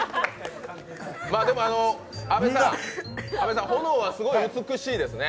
でも阿部さん、炎がすごい美しいですね。